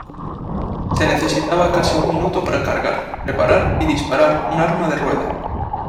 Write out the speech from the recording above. Se necesitaba casi un minuto para cargar, preparar y disparar un arma de rueda.